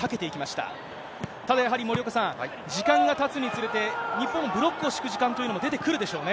ただやはり、森岡さん、時間がたつにつれて、日本もブロックを敷く時間というのも、出てくるでしょうね。